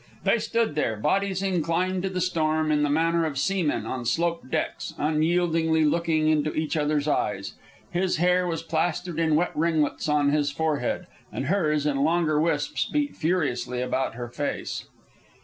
They stood there, bodies inclined to the storm in the manner of seamen on sloped decks, unyieldingly looking into each other's eyes. His hair was plastered in wet ringlets on his forehead, while hers, in longer wisps, beat furiously about her face.